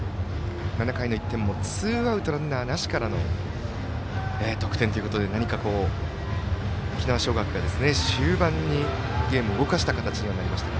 ７回もツーアウトランナーなしからの得点ということで沖縄尚学が終盤にゲームを動かした形にはなりました。